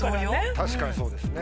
確かにそうですね。